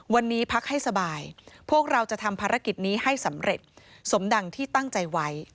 วันนี้พักให้สบายพวกเราจะทำภารกิจนี้ให้สำเร็จสมดังที่ตั้งใจไว้